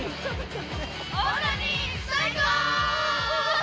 大谷、最高！